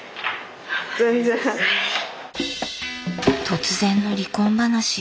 突然の離婚話。